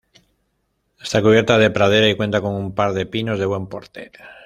Está cubierta de pradera y cuenta con un par de pinos de buen porte.